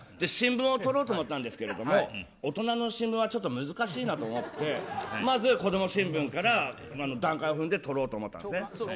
新聞を取ろうと思ったんですけど大人の新聞は難しいなと思ってまず、子供新聞から段階を踏んで取ろうと思ったんですね。